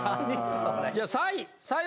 じゃあ３位！